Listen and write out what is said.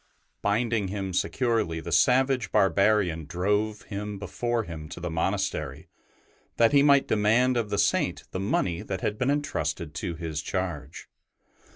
Binding him securely, the savage barbarian ST. BENEDICT 85 drove him before him to the monastery, that he might demand of the Saint the money that had been entrusted to his charge.